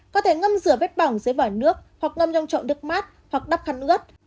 có thể ngâm rửa vết bỏng dưới vỏ nước hoặc ngâm trong trộn nước mát hoặc đắp khăn ngớt